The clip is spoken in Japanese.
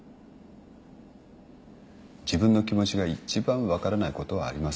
自分の気持ちが一番分からないことはありますから。